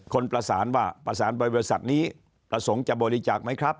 คนประสานว่าประสานบริษัทนี้ประสงค์จะบริจาคไหมครับ